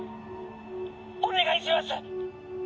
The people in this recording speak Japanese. お願いします！